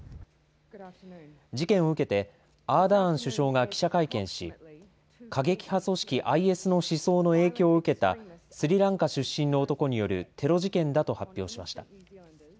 事件を受けてアーダーン首相が記者会見し過激派組織ＩＳの思想の影響を受けたスリランカ出身の男によるテロ事件だと発表しました。